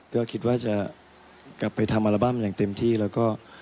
ก็คิดว่าจะกลับไปทำอัลบั้มอย่างเต็มที่แล้วก็